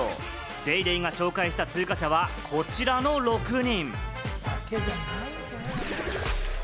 『ＤａｙＤａｙ．』が紹介した通過者はこちらの６人。